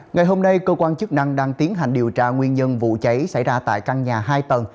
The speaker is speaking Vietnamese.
ngày hôm nay cơ quan chức năng đang tiến hành điều tra nguyên nhân vụ cháy xảy ra tại căn nhà hai tầng